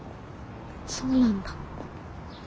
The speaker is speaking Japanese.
そうなんだ。